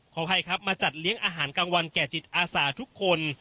อภัยครับมาจัดเลี้ยงอาหารกลางวันแก่จิตอาสาทุกคน